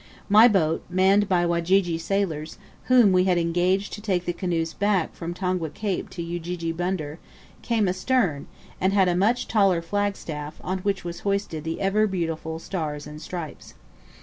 My boat manned by Wajiji sailors, whom we had engaged to take the canoes back from Tongwe Cape to Ujiji Bunder came astern, and had a much taller flagstaff, on which was hoisted the ever beautiful Stars and Stripes.